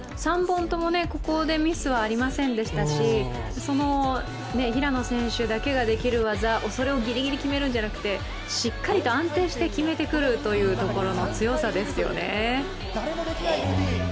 ３本とも、ここでミスはありませんでしたし、平野選手だけができる技をぎりぎり決めるんじゃなくてしっかりと安定して決めてくるというところの強さですよね。